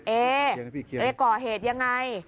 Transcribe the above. เอก่อเหตุยังไง